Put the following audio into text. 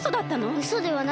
うそではないです。